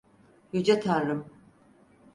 Yüce Tanrım.